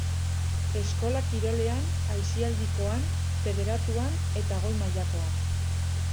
Eskola kirolean, aisialdikoan, federatuan eta goi-mailakoan.